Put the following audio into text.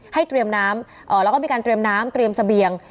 เตรียมน้ำแล้วก็มีการเตรียมน้ำเตรียมเสบียง